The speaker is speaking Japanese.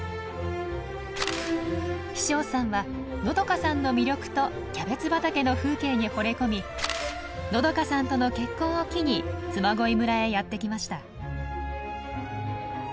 飛翔さんはのどかさんの魅力とキャベツ畑の風景にほれ込みのどかさんとの結婚を機に嬬恋村へやって来ました。